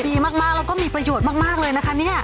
ดีมากแล้วก็มีประโยชน์มากเลยนะคะเนี่ย